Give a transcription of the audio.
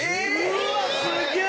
うーわっすげえ！